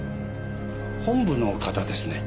本部の方ですね？